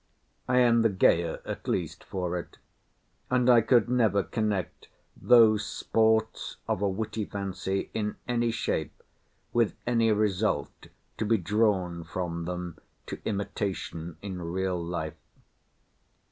I am the gayer at least for it; and I could never connect those sports of a witty fancy in any shape with any result to be drawn from them to imitation in real life.